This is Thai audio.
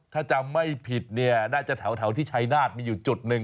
ถ้าจำไม่ผิดเนี่ยน่าจะแถวที่ชายนาฏมีอยู่จุดหนึ่ง